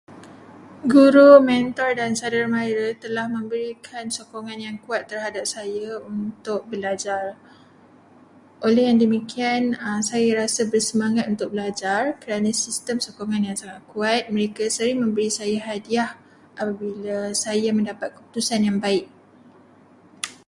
Guru, mentor dan saudara-mara telah memberikan sokongan yang kuat terhadap saya untuk belajar. Oleh yang demikian, saya rasa bersemangat untuk belajar kerana sistem sokongan yang sangat kuat. Mereka sering memberi saya hadiah apabila saya mendapat keputusan yang baik.